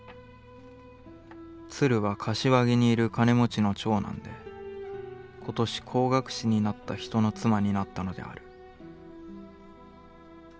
鶴は柏木にいる金持の長男で、今年工学士になった人の妻になったのである」。